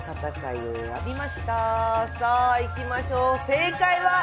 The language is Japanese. さあいきましょう正解は。